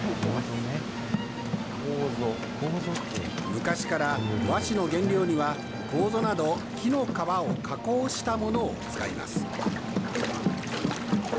昔から、和紙の原料にはコウゾなど、木の皮を加工したものを使います。